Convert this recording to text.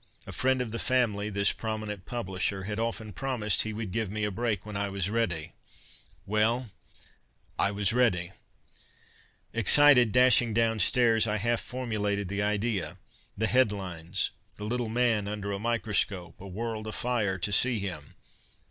A friend of the family, this prominent publisher had often promised he would give me a break when I was ready. Well, I was ready! Excited, dashing downstairs, I half formulated the idea. The headlines the little man under a microscope a world afire to see him.